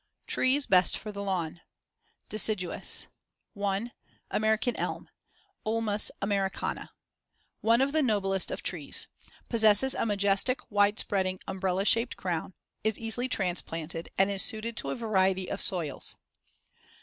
TREES BEST FOR THE LAWN DECIDUOUS 1. American elm (Ulmus americana) One of the noblest of trees. Possesses a majestic, wide spreading, umbrella shaped crown; is easily transplanted, and is suited to a variety of soils.